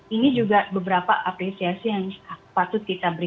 ini juga beberapa apresiasi yang patut kita beri